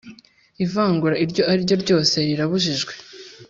Ivangura iryo ari ryo ryose rirabujijwe.